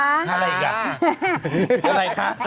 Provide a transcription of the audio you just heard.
อะไรอีกหรือ